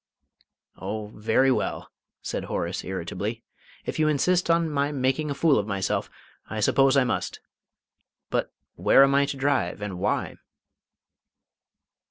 "Oh, very well," said Horace, irritably. "If you insist on my making a fool of myself, I suppose I must. But where am I to drive, and why?"